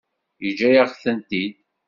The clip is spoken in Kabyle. Yeǧǧa-yak-tent-id.